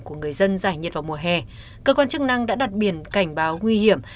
của người dân giải nhiệt vào mùa hè cơ quan chức năng đã đặt biển cảnh báo nguy hiểm